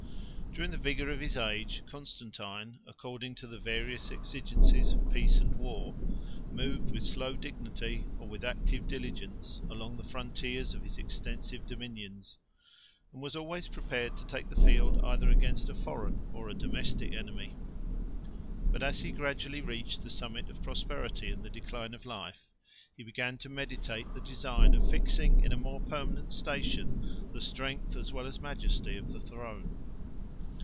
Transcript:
During the vigor of his age, Constantine, according to the various exigencies of peace and war, moved with slow dignity, or with active diligence, along the frontiers of his extensive dominions; and was always prepared to take the field either against a foreign or a domestic enemy. But as he gradually reached the summit of prosperity and the decline of life, he began to meditate the design of fixing in a more permanent station the strength as well as majesty of the throne.